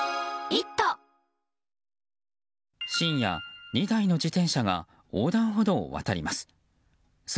深夜、２台の自転車が横断歩道を渡ります。